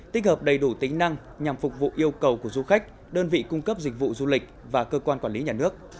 tích hợp đầy đủ tính năng nhằm phục vụ yêu cầu của du khách đơn vị cung cấp dịch vụ du lịch và cơ quan quản lý nhà nước